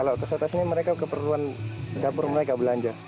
kalau ke soto sini mereka keperluan dapur mereka belanja